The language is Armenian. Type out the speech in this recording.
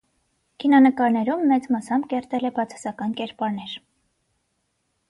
Կինոնկարներում մեծ մասամբ կերտել է բացասական կերպարներ։